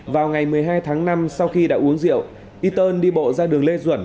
vào ngày một mươi hai tháng năm sau khi đã uống rượu y tơn đi bộ ra đường lê duẩn